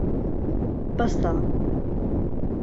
بەسە.